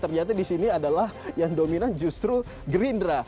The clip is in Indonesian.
ternyata di sini adalah yang dominan justru gerindra